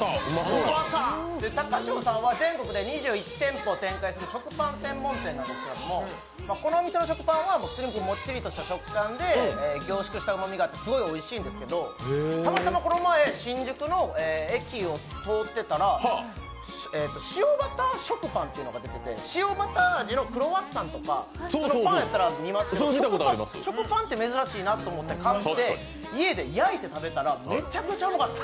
高匠さんは全国で２１店舗展開する食パン専門店ですけど、このお店の食パンは全部もっちりした食感で凝縮したうまみがあっておいしいんですけどたまたまこの前、新宿の駅を通っていたら、塩バター食パンというのが出てて、塩バター味のクロワッサンとか塩バター味のクロワッサンとか見ますけど食パンって珍しいなと思って買って家で焼いて食べたらめちゃくちゃうまかった。